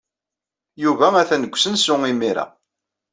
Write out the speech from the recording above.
Yuba atan deg usensu, imir-a.